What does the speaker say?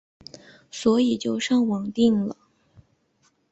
所以就上网订了